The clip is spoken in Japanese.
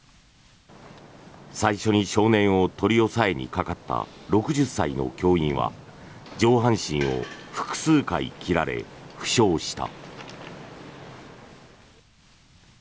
最初に少年を取り押さえにかかった６０歳の教員は上半身を複数回切られ負傷した。